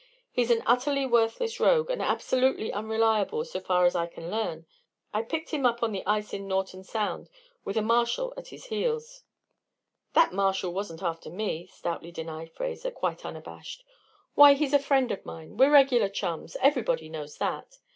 He's an utterly worthless rogue, and absolutely unreliable so far as I can learn. I picked him up on the ice in Norton Sound, with a marshal at his heels." "That marshal wasn't after me," stoutly denied Fraser, quite unabashed. "Why, he's a friend of mine we're regular chums everybody knows that.